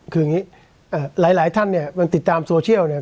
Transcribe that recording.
คืออย่างนี้หลายท่านเนี่ยมันติดตามโซเชียลเนี่ย